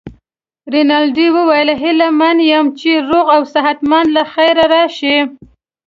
رینالډي وویل: هیله من یم چي روغ او صحت مند له خیره راشې.